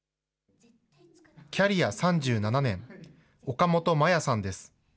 キャリア３７年、岡本麻弥さんです。